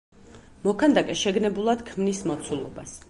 მოქანდაკე შეგნებულად ქმნის მოცულობას.